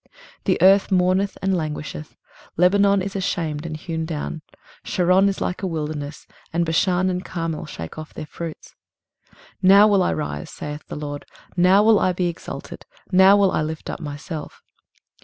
23:033:009 The earth mourneth and languisheth: Lebanon is ashamed and hewn down: Sharon is like a wilderness; and Bashan and Carmel shake off their fruits. 23:033:010 Now will I rise, saith the LORD; now will I be exalted; now will I lift up myself.